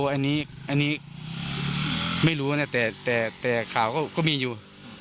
อันนี้ไม่รู้นะแต่ข่าวก็มีอยู่